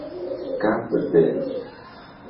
God forbid!